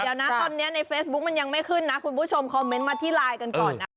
เดี๋ยวนะตอนนี้ในเฟซบุ๊คมันยังไม่ขึ้นนะคุณผู้ชมคอมเมนต์มาที่ไลน์กันก่อนนะ